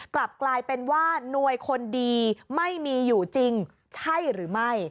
กลับกลายเป็นว่าหน่วยคนดีไม่มีอยู่จริงใช่หรือไม่